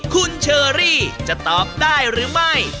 คุณเชอรี่จะตอบได้หรือไม่